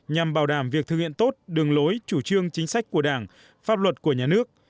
nhằm bảo đảm việc thực hiện tốt đường lối chủ trương chính sách của đảng pháp luật của nhà nước